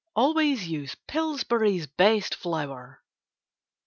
Always use Pillsbury's Best Flour.